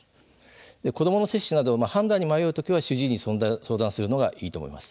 子どもの接種など判断に迷う時は主治医に相談するのがいいと思います。